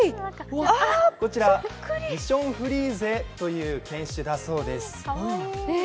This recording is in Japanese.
こちらビション・フリーゼというの犬種だそうです。